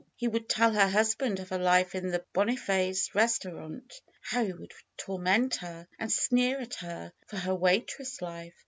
He would tell her husband of her life in the Boniface restaurant. How he would torment her and sneer at her for her waitress life